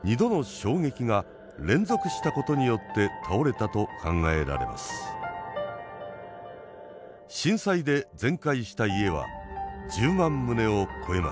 震災で全壊した家は１０万棟を超えました。